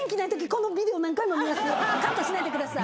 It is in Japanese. カットしないでください！